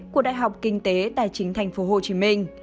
của đại học kinh tế tài chính tp hcm